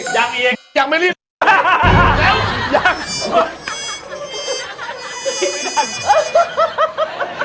ครับ